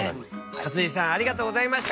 勝地さんありがとうございました。